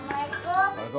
sampe hendak nyuruh